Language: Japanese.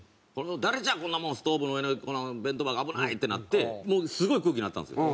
「誰じゃこんなもん！」「ストーブの上に弁当箱危ない！」ってなってもうすごい空気になったんですよ。